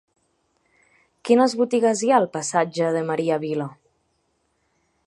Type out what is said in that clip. Quines botigues hi ha al passatge de Maria Vila?